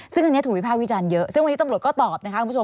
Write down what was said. ซึ่งอันนี้ถูกวิภาควิจารณ์เยอะซึ่งวันนี้ตำรวจก็ตอบนะคะคุณผู้ชม